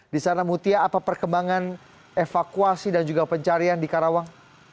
di sana mutia apa perkembangan evakuasi dan juga pencarian di karawang